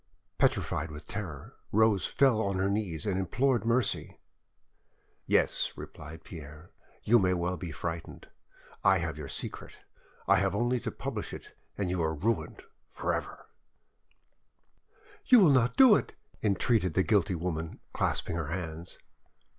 Petrified with terror, Rose fell on her knees and implored mercy. "Yes," replied Pierre, "you may well be frightened: I have your secret. I have only to publish it and you are ruined for ever:" You will not do it! "entreated the guilty woman, clasping her hands.